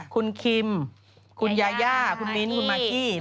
คุณคิมคุณยาย่าคุณมิ้นคุณมากกี้